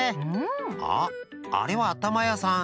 あああれはあたまやさん。